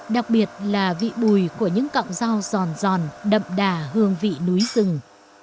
đặc biệt là vị bùi của những cọng rau giòn giòn đậm đà hương vị núi rừng